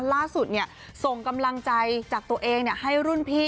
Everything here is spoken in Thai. ส่งกำลังใจจากตัวเองให้รุ่นพี่